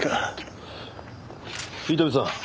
伊丹さん